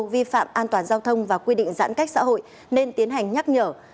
vi phạm an toàn giao thông và quy định giãn cách xã hội nên tiến hành nhắc nhở